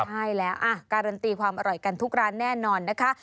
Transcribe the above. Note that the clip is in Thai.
ใช่แล้วการันตีความอร่อยกันทุกร้านแน่นอนนะคะ